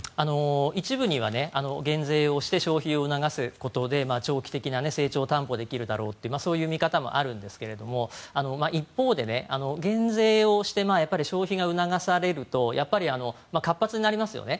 一部には減税をして消費を促すことで長期的な成長を担保できるだろうというそういう見方もあるんですが一方で減税をして消費が促されると活発になりますよね。